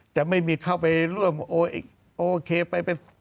จะไม่มีเข้าไปร่วมโอ๊ยโอเคไป